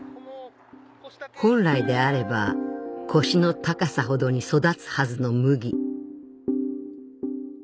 本来であれば腰の高さほどに育つはずの麦